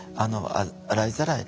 洗いざらい